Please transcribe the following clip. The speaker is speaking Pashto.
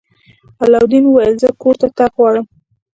علاوالدین وویل چې زه کور ته تګ غواړم.